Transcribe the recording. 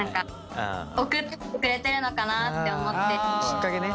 きっかけね。